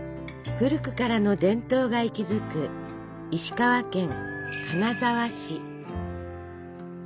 古くからの伝統が息づく石川県金沢市。